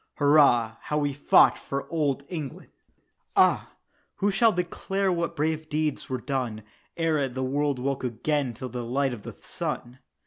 "Hurrah, how we fought for Old England!" Ah! who shall declare what brave deeds were done, Ere the world woke again to the light of the sun?